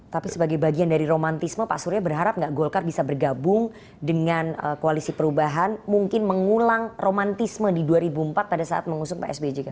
tapi sebagai bagian dari romantisme pak surya berharap nggak golkar bisa bergabung dengan koalisi perubahan mungkin mengulang romantisme di dua ribu empat pada saat mengusung pak sby